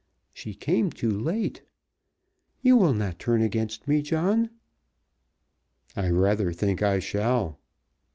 She came too late. You will not turn against me, John?" "I rather think I shall."